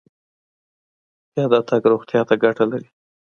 پیاده تګ روغتیا ته ګټه لري.